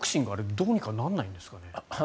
どうにかならないんですかね。